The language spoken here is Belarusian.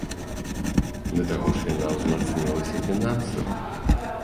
Да таго ж яна ўзмацнілася фінансава.